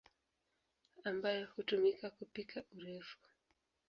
ambayo hutumika kupika urefu.